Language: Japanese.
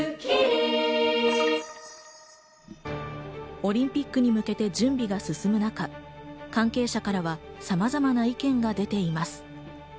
オリンピックに向けて準備が進む中、関係者からはさまざまな意見が出ています。